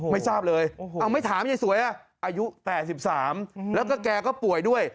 ไม่ทราบเลยเอาไม่ถามยายสวยอายุ๘๓แล้วก็แกก็ป่วยด้วย